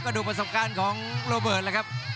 ดูประสบการณ์ของโรเบิร์ตแล้วครับ